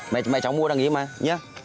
mẹ cháu mua đằng kia mà nhé